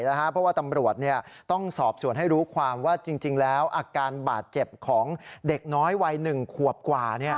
เพราะว่าตำรวจต้องสอบส่วนให้รู้ความว่าจริงแล้วอาการบาดเจ็บของเด็กน้อยวัย๑ขวบกว่า